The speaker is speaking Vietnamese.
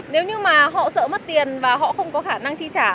nếu như mà họ sợ mất tiền và họ không có khả năng chi trả